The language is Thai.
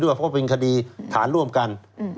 เพราะเป็นคดีฐานร่วมกัน